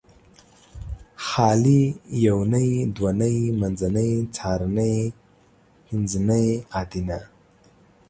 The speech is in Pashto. خالي یونۍ دونۍ منځنۍ څارنۍ پنځنۍ ادینه